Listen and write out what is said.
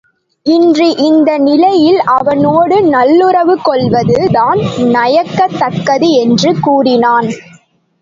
இன்று இந்த நிலையில் அவனோடு நல்லுறவு கொள்வது தான் நயக்கத் தக்கது என்று கூறினான்.